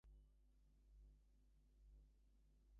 Numerous overhead line poles remained as street lamps.